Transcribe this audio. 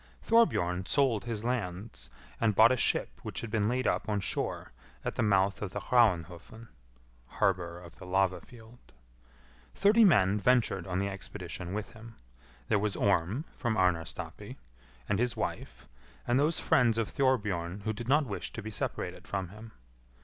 Thorbjorn sold his lands, and bought a ship which had been laid up on shore at the mouth of the Hraunhofn (harbour of the lava field). Thirty men ventured on the expedition with him. There was Orm, from Arnarstapi, and his wife, and those friends of Thorbjorn who did not wish to be separated from him.